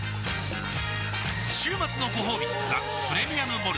週末のごほうび「ザ・プレミアム・モルツ」